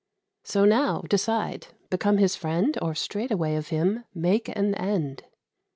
So, now, decide: become his friend, Or straightway of him make an end."